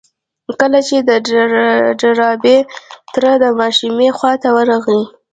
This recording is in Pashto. کله چې د ډاربي تره د ماشومې خواته ورغی.